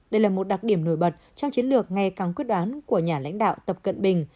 đây là một đặc điểm nổi bật trong chiến lược ngày càng quyết đoán của nhà lãnh đạo tập cận bình